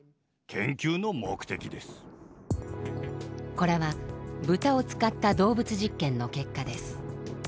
これは豚を使った動物実験の結果です。